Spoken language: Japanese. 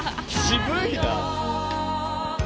渋いな！